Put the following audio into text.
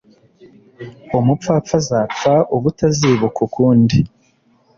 Umupfafa azapfa ubutazibukwa ukundi